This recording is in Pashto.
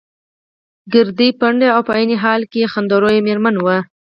ګردۍ، پنډه او په عین حال کې خنده رویه مېرمن وه.